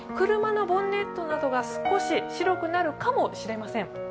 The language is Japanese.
車のボンネットなどが少し白くなるかもしれません。